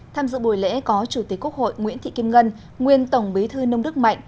tham dự buổi lễ có chủ tịch quốc hội nguyễn thị kim ngân nguyên tổng bí thư nông đức mạnh